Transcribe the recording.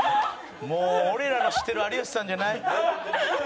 もう俺らの知ってる有吉さんじゃない。